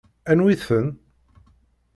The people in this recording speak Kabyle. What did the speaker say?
Anwi-ten?